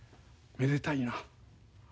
めでたいな。